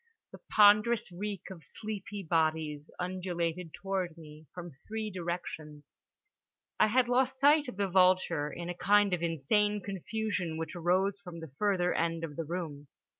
The ponderous reek of sleepy bodies undulated toward me from three directions. I had lost sight of the vulture in a kind of insane confusion which arose from the further end of the room.